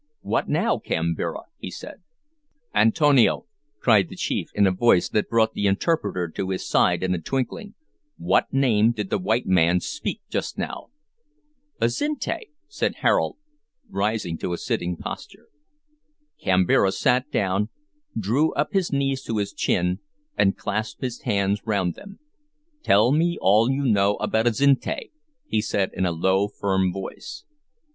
"What now, Kambira?" he said. "Antonio," cried the chief, in a voice that brought the interpreter to his side in a twinkling; "what name did the white man speak just now?" "Azinte," said Harold, rising to a sitting posture. Kambira sat down, drew up his knees to his chin, and clasped his hands round them. "Tell me all you know about Azinte," he said in a low, firm voice.